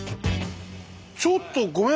ちょっとごめんなさい。